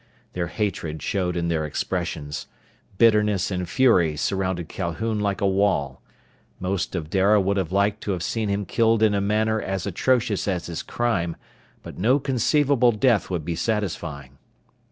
Their hatred showed in their expressions. Bitterness and fury surrounded Calhoun like a wall. Most of Dara would have liked to have seen him killed in a manner as atrocious as his crime, but no conceivable death would be satisfying.